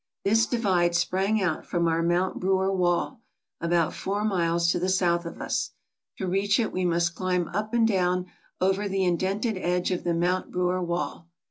This divide sprang out from our Mount Brewer wall, about four miles to the south of us. To reach it we must climb up and down over the indented edge of the Mount Brewer wall.